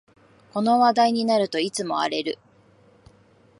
この話題になるといつも荒れる